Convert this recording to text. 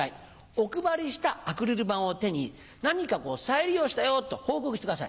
お配りしたアクリル板を手に何かこう「再利用したよ」と報告してください。